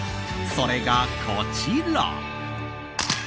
それが、こちら。